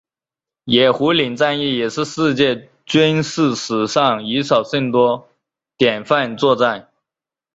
野狐岭战役也是世界军事史上以少胜多典范作战。